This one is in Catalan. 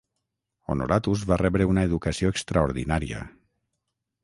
Honoratus va rebre una educació extraordinària.